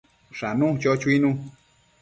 Shanu, cho chuinu